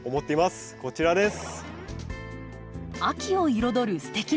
こちらです。